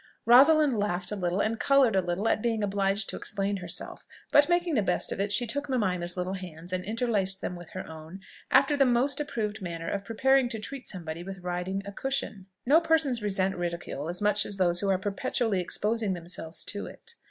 Rosalind laughed a little, and coloured a little, at being obliged to explain herself; but making the best of it, she took Mimima's little hands and interlaced them with her own, after the most approved manner of preparing to treat somebody with riding a cushion. No persons resent ridicule so much as those who are perpetually exposing themselves to it.